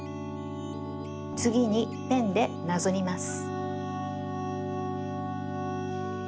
つぎにペンでなぞります。